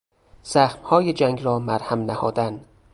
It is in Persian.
زخمهای جنگ را مرهم نهادن